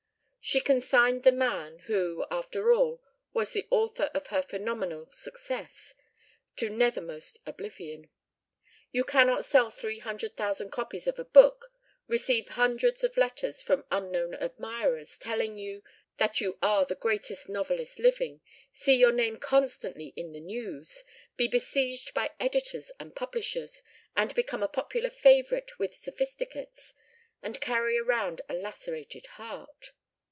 She consigned the man, who, after all, was the author of her phenomenal success, to nethermost oblivion. You cannot sell three hundred thousand copies of a book, receive hundreds of letters from unknown admirers telling you that you are the greatest novelist living, see your name constantly in the "news," be besieged by editors and publishers, and become a popular favorite with Sophisticates, and carry around a lacerated heart.